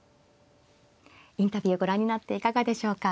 インタビューをご覧になっていかがでしょうか。